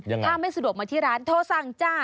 ยังไงถ้าไม่สะดวกมาที่ร้านโทสังจ้า